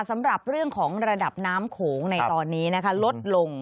สำหรับเรื่องของระดับน้ำโขงในตอนนี้นะคะลดลง